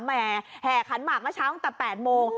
แห่แห่ขันหมากเมื่อเช้าตั้งแต่๘โมง